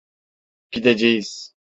Gideceğiz.